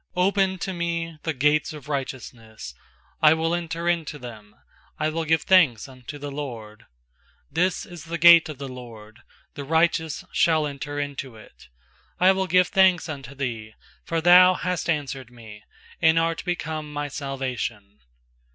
190pen to me the gates of righteous I will enter into them, I will give thanks unto the LORD. 20This is the gate of the LORD; The righteous shall enter into it. S61 118 21 PSALMS 21I will give thanks unto Thee, for Thou hast answered me, And art become my salvation.